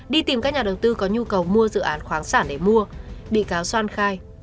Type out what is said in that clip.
đi tìm các nhà đầu tư có nhu cầu mua dự án khoáng sản để mua bị cáo xoan khai